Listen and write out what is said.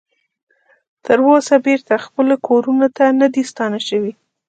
تر اوسه بیرته خپلو کورونو ته نه دې ستانه شوي